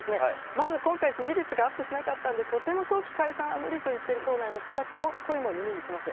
まず今回、支持率がアップしなかったんで、とても早期解散は無理といっている党内の人たちの声も耳にします。